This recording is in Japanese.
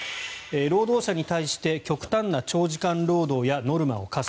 労働者に対して極端な長時間労働やノルマを課す。